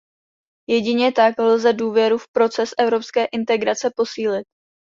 Jedině tak lze důvěru v proces evropské integrace posílit.